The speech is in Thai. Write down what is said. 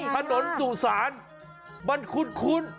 ถนนสุสานมันคุ้น